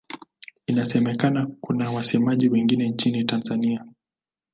Inasemekana kuna wasemaji wengine nchini Tanzania.